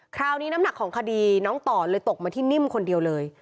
น้ำหนักของคดีน้องต่อเลยตกมาที่นิ่มคนเดียวเลย